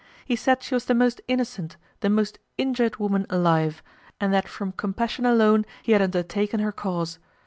He said she was the most innocent, the most injured woman alive, and that from compassion alone he had undertaken her cause.